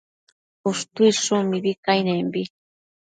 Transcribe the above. Ushtuidshun mibi cainembi